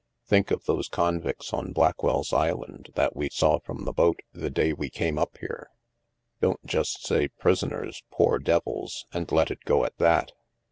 Think of those convicts on Blackwell's Island that we saw from the boat, the day we came up here. Don't just say * prisoners, poor devils,* and let it go at that.